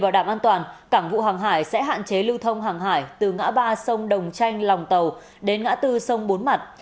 hàng hải sẽ hạn chế lưu thông hàng hải từ ngã ba sông đồng chanh lòng tàu đến ngã bốn sông bốn mặt